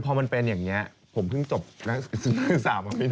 พอมันเป็นอย่างนี้ผมเพิ่งจบนักศึกษามาเป็น